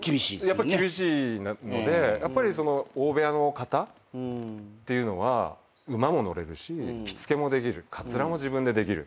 やっぱ厳しいのでその大部屋の方っていうのは馬も乗れるし着付けもできるかつらも自分でできる。